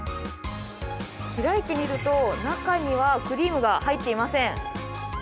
開いてみると、中にはクリームが入っていません。